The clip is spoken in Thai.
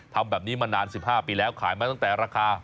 ทำแบบนี้มานาน๑๕ปีแล้วขายมาตั้งแต่ราคา